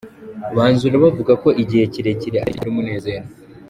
Banzura bavuga ko igihe kirekire atari cyo gitera umunezero.